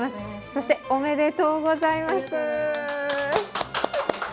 そして、おめでとうございます。